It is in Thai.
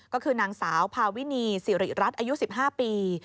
ก็คือนางสาวพาวินีสิริรัตน์อายุ๑๕ปี